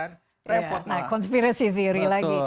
nah konspirasi teori lagi